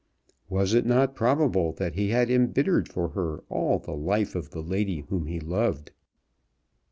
Was it not probable that he had embittered for her all the life of the lady whom he loved?